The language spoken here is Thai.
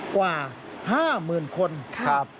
กว่า๕หมื่นคนครับ